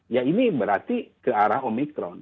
ya ini berarti ke arah omikron gitu ya